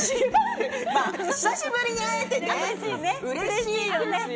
久しぶりに会えてうれしいですよ。